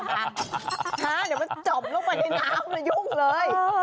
เดี๋ยวมันจ่อมลงไปในน้ำมายุ่งเลย